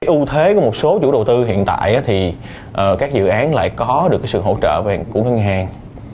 ưu thế của một số chủ đầu tư hiện tại thì các dự án lại có được sự hỗ trợ của ngân hàng